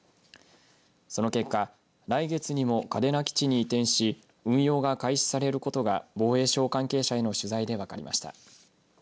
その結果来月にも嘉手納基地に移転し運用が開始されることが防衛省関係者への取材で分かりました。